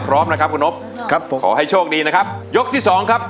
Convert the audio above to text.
พร้อมนะครับคุณนบครับผมขอให้โชคดีนะครับยกที่สองครับ